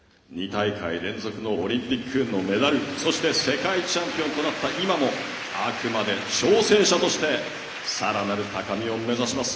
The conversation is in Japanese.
２大会連続のオリンピックのメダルそして、世界チャンピオンとなった今もあくまで挑戦者としてさらなる高みを目指します。